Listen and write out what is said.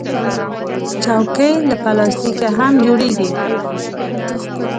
چوکۍ له پلاستیکه هم جوړیږي.